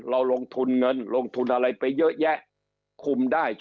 เราลงทุนเงินลงทุนอะไรไปเยอะแยะคุมได้จะ